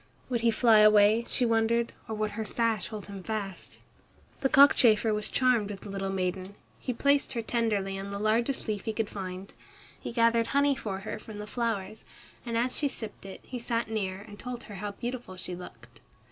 Would he fly away, she wondered, or would her sash hold him fast? The cockchafer was charmed with the little maiden. He placed her tenderly on the largest leaf he could find. He gathered honey for her from the flowers, and as she sipped it, he sat near and told her how beautiful she looked.